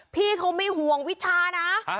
พี่เขาไม่ห่วงวิชานะ